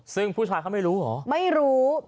ซึ่งผู้ชายเขาไม่รู้เหรอไม่รู้